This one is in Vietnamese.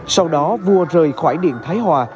sau đó vua rời khỏi điện thái hòa